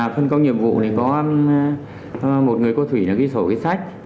phân công nhiệm vụ có một người cô thủy ghi sổ sách